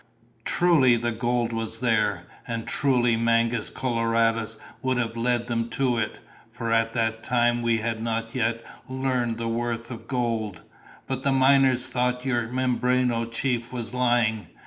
Truly the gold was there. And truly Mangus Coloradus would have led them to it, for at that time we had not yet learned the worth of gold. But the miners thought your Mimbreno chief was lying.